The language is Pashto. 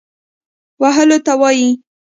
وهلو ته وايي.